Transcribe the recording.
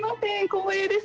光栄です。